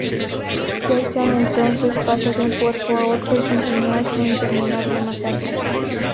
Jason entonces pasa de un cuerpo a otro y continúa su interminable masacre.